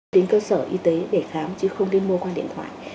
đến cơ sở y tế để khám